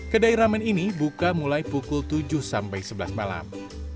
kedai ramen ini buka mulai pukul tujuh sampai sebelas malam